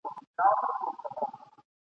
• خوله خوشبویه کوي او بد بوی له منځه وړي